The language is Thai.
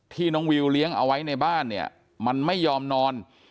น้องวิวเลี้ยงเอาไว้ในบ้านเนี่ยมันไม่ยอมนอน